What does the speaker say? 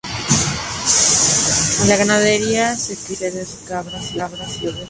En la ganadería se da la cría de cerdos, cabras y ovejas.